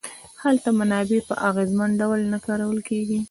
هلته منابع په اغېزمن ډول نه کارول کیږي.